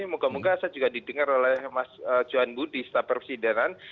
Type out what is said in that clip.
moga moga saya juga didengar oleh mas johan budi staf presiden